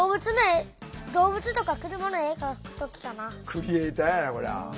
クリエーターやなこりゃ。